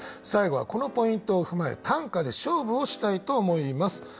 最後はこのポイントを踏まえ短歌で勝負をしたいと思います。